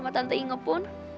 sama tante inge pun